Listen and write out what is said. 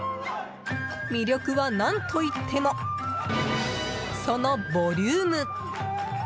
魅力は何といってもそのボリューム！